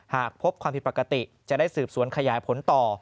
หากพบความผิดปกติจะได้สืบสวนขยายผลต่อ